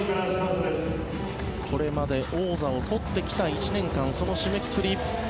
これまで王座を取ってきた１年間その締めくくり。